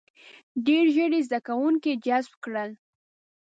• ډېر ژر یې زده کوونکي جذب کړل.